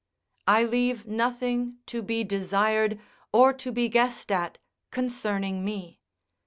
] I leave nothing to be desired or to be guessed at concerning me.